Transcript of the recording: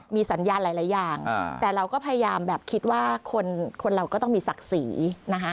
มีสัญญาณหลายอย่างแต่เราก็พยายามแบบคิดว่าคนเราก็ต้องมีศักดิ์ศรีนะคะ